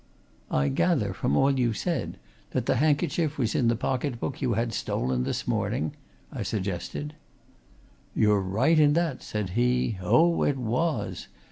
"I gather, from all you've said, that the handkerchief was in the pocket book you had stolen this morning?" I suggested. "You're right in that," said he. "Oh, it was!